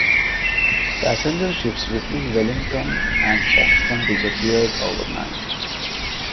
Passenger ships between Wellington and Foxton disappeared overnight.